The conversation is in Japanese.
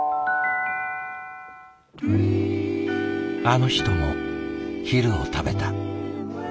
あの人も昼を食べた。